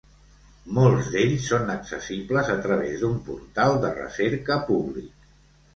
Molts d'ells són accessibles a través d'un portal de recerca públic.